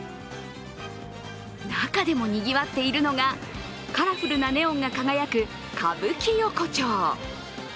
中でもにぎわっているのがカラフルなネオンが輝く歌舞伎横丁。